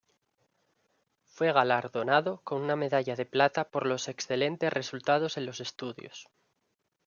Fue galardonado con una medalla de plata por los excelentes resultados en los estudios.